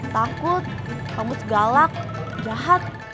takut kampus galak jahat